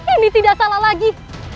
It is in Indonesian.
ini tidak salah lagi